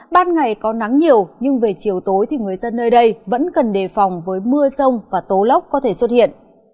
ban ngày có nắng nhiều nhưng về chiều tối thì người dân nơi đây vẫn cần đề phòng với mưa rông và tố lốc có thể xuất hiện